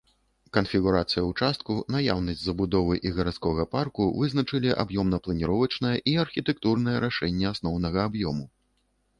Канфігурацыя ўчастку, наяўнасць забудовы і гарадскога парку вызначылі аб'ёмна-планіровачнае і архітэктурнае рашэнне асноўнага аб'ёму.